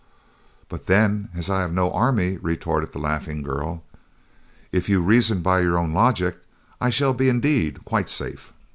"But then, as I have no army," retorted the laughing girl, "if you reason by your own logic, I shall be indeed quite safe."